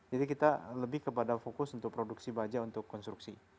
jadi kita lebih kepada fokus untuk produksi baja untuk konstruksi